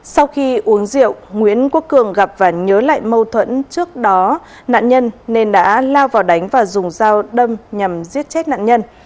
sau khi uống rượu nguyễn quốc cường gặp và nhớ lại mâu thuẫn trước đó nạn nhân nên đã lao vào đánh và dùng dao đâm nhằm giết chết nạn nhân